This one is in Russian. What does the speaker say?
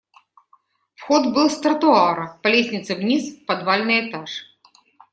Вход был с тротуара по лестнице вниз, в подвальный этаж.